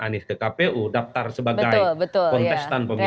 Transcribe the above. dan anies ke kpu daftar sebagai kontestan pemerintah